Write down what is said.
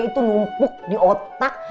itu numpuk di otak